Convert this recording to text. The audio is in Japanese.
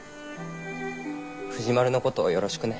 藤丸のことをよろしくね。